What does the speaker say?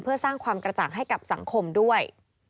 เพื่อสร้างความกระจ่างให้กับสังคมด้วย